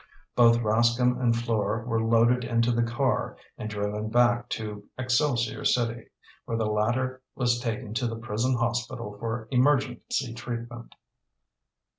Both Rascomb and Fleur were loaded into the car and driven back to Excelsior City, where the latter was taken to the prison hospital for emergency treatment.